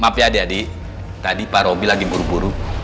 maaf ya adik adik tadi pak robby lagi buru buru